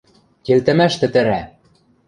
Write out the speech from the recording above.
— Келтӹмӓш тӹтӹрӓ!